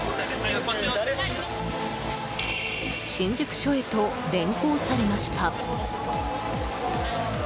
新宿署へと連行されました。